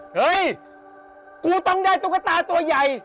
เฮ้ยกูต้องได้ตุ๊กตาตัวใหญ่